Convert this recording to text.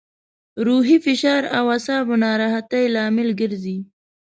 روحي فشار او اعصابو ناراحتي لامل ګرځي.